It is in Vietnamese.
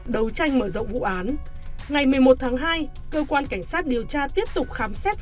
đấu tranh mở rộng vụ án ngày một mươi một tháng hai cơ quan cảnh sát điều tra tiếp tục khám xét